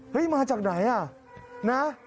เห้ยมาจากไหนอ่ะนะ